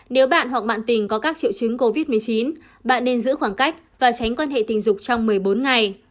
nếu bạn hoặc mạng tình có các triệu chứng covid một mươi chín bạn nên giữ khoảng cách và tránh quan hệ tình dục trong một mươi bốn ngày